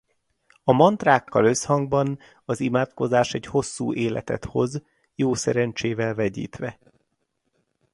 A mantrákkal összhangban az imádkozás egy hosszú életet hoz jó szerencsével vegyítve.